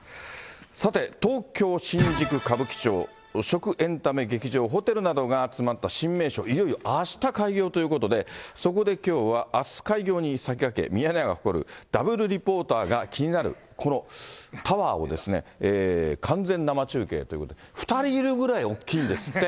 さて、東京・新宿・歌舞伎町、食、エンタメ、劇場、ホテルなどが詰まった新名所、いよいよあした開業ということで、そこできょうはあす開業にさきがけ、ミヤネ屋が誇るダブルリポーターが、気になるこのタワーをですね、完全生中継ということで、２人いるぐらい大きいんですって。